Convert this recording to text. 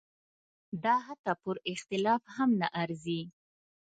دا حتی پر اختلاف هم نه ارزي.